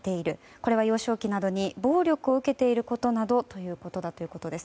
これは幼少期などに暴力を受けていることなどということだということです。